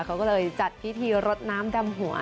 เขาก็เลยจัดพิธีรดน้ำดำหัว